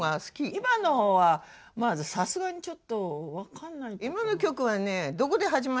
今のはさすがにちょっと分かんないかな。